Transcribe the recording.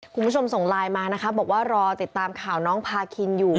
คุณผู้ชมส่งไลน์มานะคะบอกว่ารอติดตามข่าวน้องพาคินอยู่